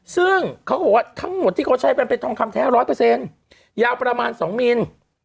ซึ่งเขาบอกว่าทั้งหมดที่เขาใช้เป็นเป็นทองคำแท้ร้อยเปอร์เซ็นต์ยาวประมาณสองมิล